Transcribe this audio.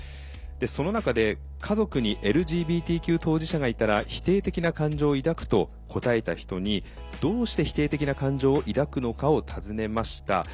その中で「家族にＬＧＢＴＱ当事者がいたら否定的な感情を抱く」と答えた人にどうして否定的な感情を抱くのかを尋ねました。